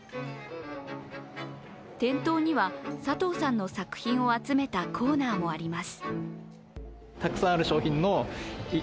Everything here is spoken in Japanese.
店頭には佐藤さんの作品を集めたコーナーもあります。